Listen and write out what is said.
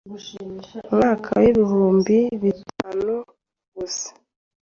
mwaka w‟ibihumbi bitanu gusa